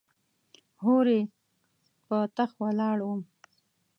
هورې پر تخت ولاړه وم .